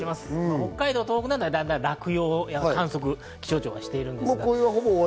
北海道、東北などは落葉の観測を気象庁がしています。